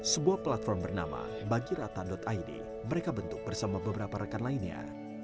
sebuah platform bernama bagirata id mereka bentuk bersama beberapa rekan lainnya